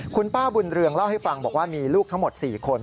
คุณป้าบุญเรืองเล่าให้ฟังบอกว่ามีลูกทั้งหมด๔คน